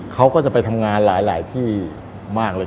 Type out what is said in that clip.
เขาก็จะไปทำงานหลายที่มากเลย